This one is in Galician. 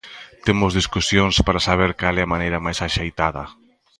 Temos discusións para saber cal é a maneira máis axeitada.